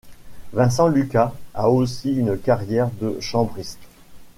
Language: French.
Vincent Lucas a aussi une carrière de chambriste.